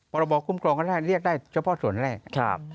พรบคุ้มครองก็ได้เรียกได้เฉพาะส่วนแรก